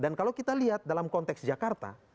dan kalau kita lihat dalam konteks jakarta